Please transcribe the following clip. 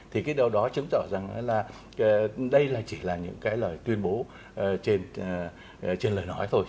thì cái điều đó chứng tỏ rằng là đây chỉ là những cái lời tuyên bố trên lời nói thôi